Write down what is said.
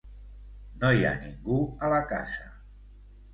No hi ha ningú a la casa.